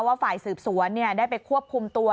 ว่าฝ่ายสืบสวนได้ไปควบคุมตัว